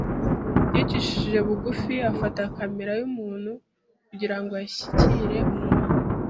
yicishije bugufi afata kamere y’umuntu kugira ngo ashyikire umuntu